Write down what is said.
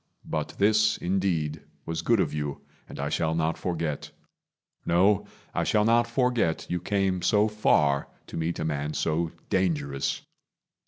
But this, indeed, Was good of you, and I shall not forget; No, I shall not forget you came so far To meet a man so dangerous.